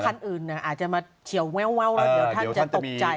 เพราะคันอื่นอ่ะอาจจะมาเฉียวเว้าเว้าแล้วเดี๋ยวท่านจะตกใจ